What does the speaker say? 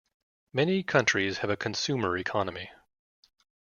Many countries have a consumer economy.